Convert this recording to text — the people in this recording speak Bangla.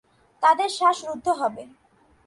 তাদের শ্বাস রুদ্ধ হবে।